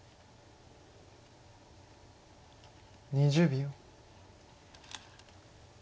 ２０秒。